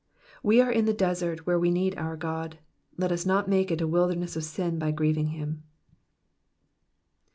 We are in the desert where we need our God, let us not make it a wilderness of sin by grieving him.